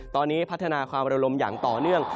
ตอนนี้พัฒนาความระลมอย่างต่อเนื่อง